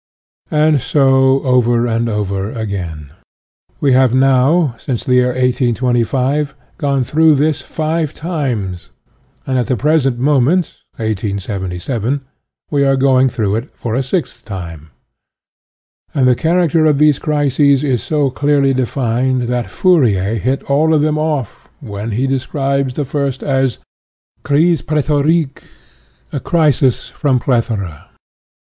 And so over and over again. We have now, since the year 1825, gone through this five times, and at the present moment (1877) we are going through it for the sixth time. And the character of these crises is so clearly defined that Fourier hit all of them off, when he described the first as " crise plethorique," a crisis from plethora.